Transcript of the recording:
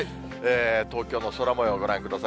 東京の空もよう、ご覧ください。